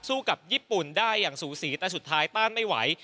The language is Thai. กับญี่ปุ่นได้อย่างสูสีแต่สุดท้ายต้านไม่ไหว